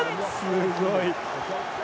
すごい。